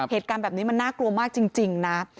เหตุการณ์แบบนี้มันน่ากลัวมากจริงนะ